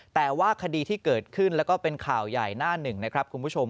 แต่ว่าคดีที่เกิดขึ้นแล้วก็เป็นข่าวใหญ่หน้าหนึ่งนะครับคุณผู้ชม